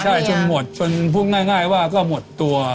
ใช่จนหมดจนพูดง่ายว่าก็หมดตัว